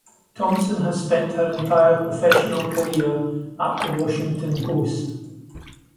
Thompson has spent her entire professional career at "The Washington Post".